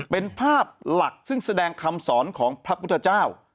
เป็นภาพหลักซึ่งแสดงคำสอนของพระพุทธเจ้า